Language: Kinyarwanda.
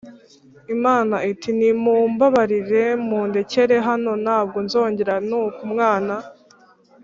Imana iti Nimumbabarire mundekere hano ntabwo nzongera Nuko umwana